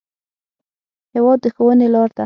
هېواد د ښوونې لار ده.